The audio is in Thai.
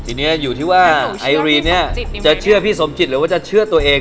ทีนี้อยู่ที่ว่าไอรีนี้จะเชื่อพี่สมจิตหรือว่าจะเชื่อตัวเอง